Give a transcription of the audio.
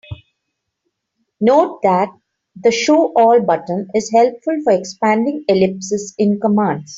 Note that the "Show all" button is helpful for expanding ellipses in commands.